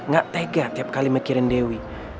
gak tega tiap kali mikirin dewi